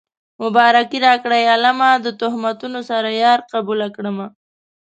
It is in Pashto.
مبارکي راکړئ عالمه د تهمتونو سره يار قبوله کړمه